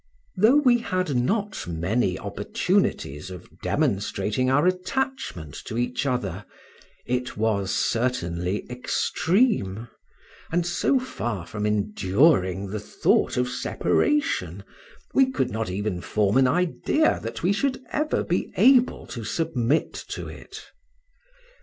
Though we had not many opportunities of demonstrating our attachment to each other, it was certainly extreme; and so far from enduring the thought of separation, we could not even form an idea that we should ever be able to submit to it.